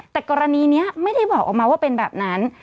แต่กรณีนี้ไม่ได้บอกออกมาว่าเป็นแบบนั้น